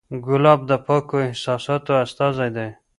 ګلاب د پاکو احساساتو استازی دی.